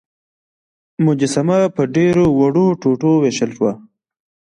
مجسمه په ډیرو وړو ټوټو ویشل شوه.